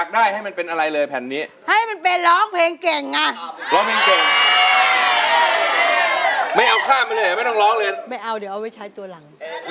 ไม่ยังมีเหลือไม่เป็น